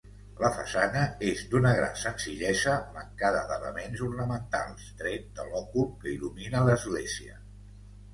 La façana és d'una gran senzillesa, mancada d'elements ornamentals, tret de l'òcul que il·lumina l'església.